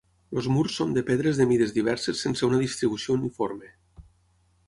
Els murs són de pedres de mides diverses sense una distribució uniforme.